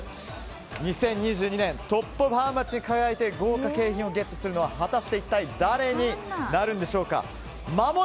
２０２２年トップ・オブ・ハウマッチに輝いて豪華景品をゲットするのは果たして一体誰になるんでしょうか。